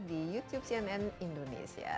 di youtube cnn indonesia